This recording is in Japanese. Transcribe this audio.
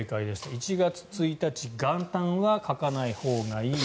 １月１日元旦は書かないほうがいい。